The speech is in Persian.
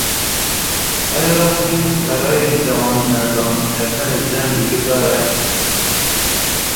آیا راهی برای جوانمردانه کردن جنگ وجود دارد؟